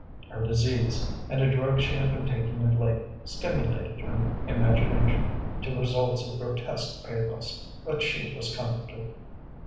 Her disease, and a drug she had been taking of late, stimulated her imagination to results of grotesque pathos, but she was comforted.